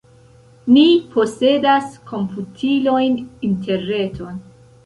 Ni posedas komputilojn, interreton.